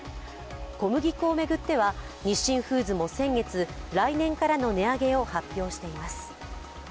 小麦粉を巡っては日清フーズも先月、来年からの値上げを発表しています。